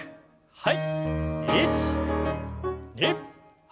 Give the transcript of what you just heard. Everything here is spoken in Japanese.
はい。